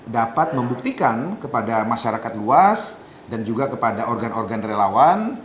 dapat membuktikan kepada masyarakat luas dan juga kepada organ organ relawan